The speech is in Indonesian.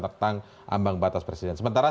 tentang ambang batas presiden sementara